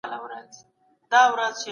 پرمختیا باید د هر انسان تر کوره ورسیږي.